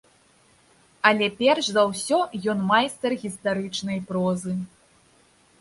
Але перш за ўсё ён майстар гістарычнай прозы.